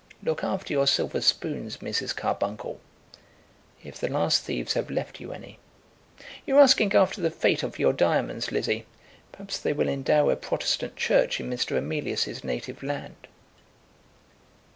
Look after your silver spoons, Mrs. Carbuncle, if the last thieves have left you any. You were asking after the fate of your diamonds, Lizzie. Perhaps they will endow a Protestant church in Mr. Emilius's native land."